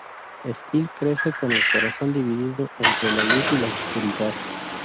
Steel crece con el corazón dividido entre la luz y la oscuridad.